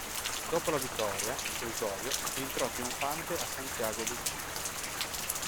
Dopo la vittoria Osorio entrò trionfante a Santiago del Cile.